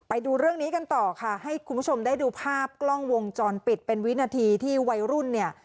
ไปดูเรื่องนี้กันต่อค่ะให้คุณผู้ชมได้ดูภาพกล้องวงจรปิดเป็นวินาทีที่วัยรุ่นเนี่ย